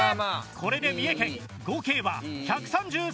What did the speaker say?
これで三重県合計は１３３．１キロ。